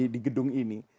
di gedung ini